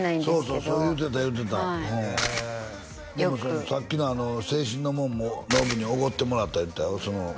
そうそうそれ言うてた言うてたでもさっきの「青春の門」ものぶにおごってもらった言うてたよ